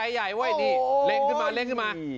เออค่าใจใหญ่เว้ยนี่เล็งขึ้นมาเล็งขึ้นมา